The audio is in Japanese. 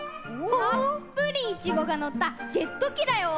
たっぷりイチゴがのったジェットきだよ。